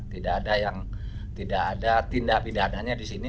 tidak ada yang tidak ada tindak pidananya di sini